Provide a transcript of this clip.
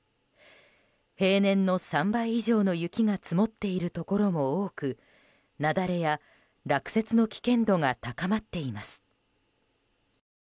平年の３倍以上の雪が積もっているところも多く雪崩や落雪の危険度が高まっています。